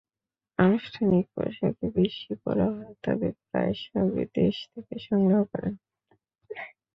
আনুষ্ঠানিক পোশাকই বেশি পরা হয়, তবে প্রায় সবই দেশ থেকে সংগ্রহ করেন।